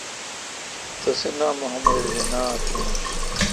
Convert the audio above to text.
تسی نام محمد علی جناح چونس۔